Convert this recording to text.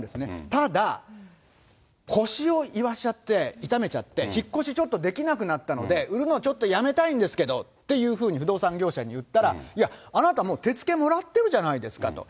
ただ腰をいわしちゃって、痛めちゃって、引っ越しちょっとできなくなったんで、売るのちょっとやめたいんですけどって不動産業者に言ったら、いや、あなたもう、手付もらってるじゃないですかと。